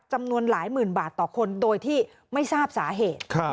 จำนวนหลายหมื่นบาทต่อคนโดยที่ไม่ทราบสาเหตุ